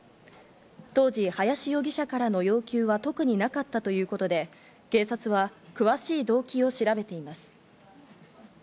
当時、林容疑者からの要求は特になかったということで、警察は詳しい動機を調べています。